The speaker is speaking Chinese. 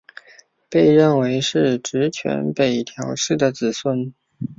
被认为是执权北条氏的子孙。